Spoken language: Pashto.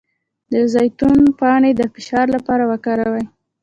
د زیتون پاڼې د فشار لپاره وکاروئ